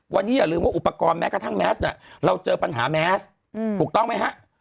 วันนี้อย่าลืมว่าอุปกรณ์แม้กระทั่งแมสเนี่ยเราเจอปัญหาแมสถูกต้องไหมฮะ